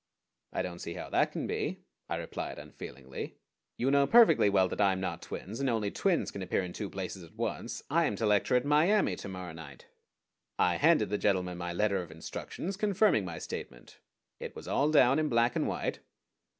"I don't see how that can be," I replied unfeelingly. "You know perfectly well that I am not twins, and only twins can appear in two places at once. I am to lecture at Miami to morrow night." I handed the gentleman my letter of instructions, confirming my statement. It was all down in black and white.